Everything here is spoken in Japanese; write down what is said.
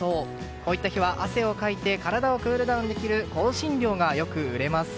こういった日は汗をかいて体をクールダウンできる香辛料がよく売れます。